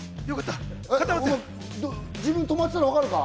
お前、自分とまってたの分かるか？